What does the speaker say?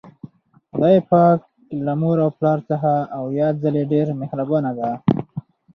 خدای پاک له مور او پلار څخه اویا ځلې ډیر مهربان ده